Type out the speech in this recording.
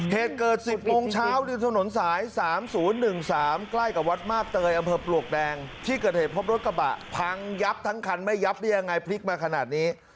เหตุเกิด๑๐โมงเช้าริมถนนสาย๓๐๑๓ใกล้กับวัดมาบเตยอำเภอปลวกแดงที่เกิดเหตุพบรถกระบะพังยับทั้งคันไม่ยับได้ยังไงพลิกมาขนาดนี้